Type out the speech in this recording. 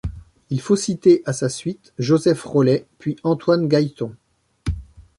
Il faut citer à sa suite Joseph Rollet puis Antoine Gailleton.